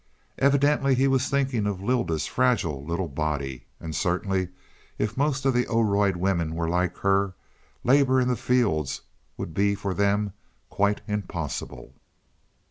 Evidently he was thinking of Lylda's fragile little body, and certainly if most of the Oroid women were like her, labour in the fields would be for them quite impossible.